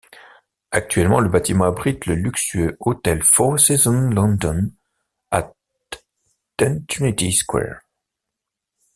Actuellement, le bâtiment abrite le luxueux Hôtel Four Seasons London at Ten Trinity Square.